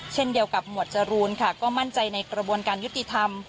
เช่นเดียวกับหมวดจรูนค่ะก็มั่นใจในกระบวนการยุติธรรม